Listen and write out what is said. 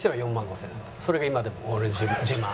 それが今でも俺の自慢。